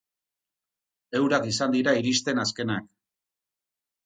Eurak izan dira iristen azkenak.